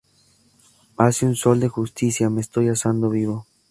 Hace un sol de justicia. Me estoy asando vivo